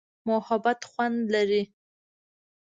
محبت خوند لري.